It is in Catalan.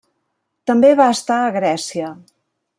També va estar a Grècia.